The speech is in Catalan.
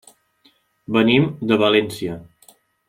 Venim de València.